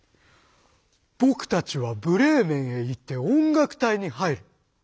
「僕たちはブレーメンへ行って音楽隊に入る！